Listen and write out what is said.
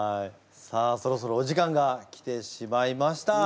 さあそろそろお時間が来てしまいました。